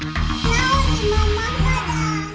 kau ini memang marah